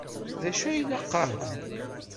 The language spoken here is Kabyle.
D acu ay la qqaren?